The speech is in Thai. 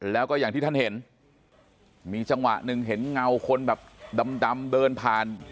แล้วก็อย่างที่ท่านเห็นมีจังหวะหนึ่งเห็นเงาคนแบบดำเดินผ่าน